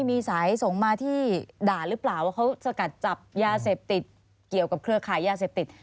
มีสายส่งมาที่ด่านหรือเปล่าว่าเขาสกัดจับยาเสพติดเกี่ยวกับเครือขายยาเสพติด